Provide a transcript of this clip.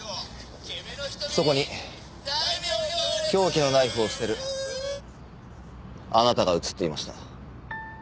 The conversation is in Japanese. そこに凶器のナイフを捨てるあなたが映っていました。